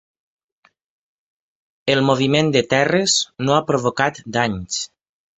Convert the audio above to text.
El moviment de terres no ha provocat danys.